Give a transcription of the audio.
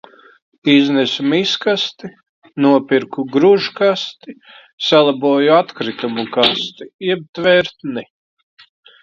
Iznesu miskasti, nopirku gružkasti, salaboju atkritumu kasti jeb tvertni.